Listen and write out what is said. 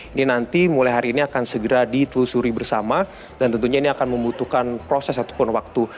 ini nanti mulai hari ini akan segera ditelusuri bersama dan tentunya ini akan membutuhkan proses ataupun waktu